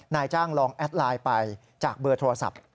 นายจ้างลองแอดไลน์ไปจากเบอร์โทรศัพท์